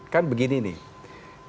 kan begini nih